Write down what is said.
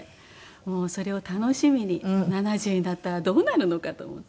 もうそれを楽しみに７０になったらどうなるのかと思ってます。